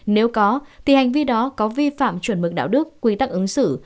nếu có thì hành vi đó có vi phạm chuẩn mực đạo đức quy tắc ứng xử